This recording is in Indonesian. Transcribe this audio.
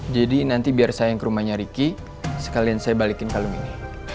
jadi nanti biar saya yang ke rumahnya ricky sekalian saya balikin kalung ini